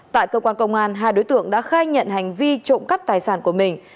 tại cơ quan công an hai đối tượng đã khai nhận hành vi trộm cắp tài sản của mình